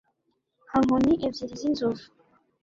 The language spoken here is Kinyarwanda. Nka nkoni ebyiri zinzovu